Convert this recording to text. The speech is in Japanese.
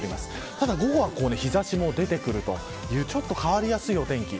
ただ午後は日差しも出てくるというちょっと変わりやすいお天気。